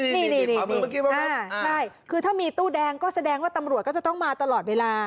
นี่ใช่คือถ้ามีตู้แดงก็แสดงว่าตำรวจก็จะต้องมาตลอดเวลา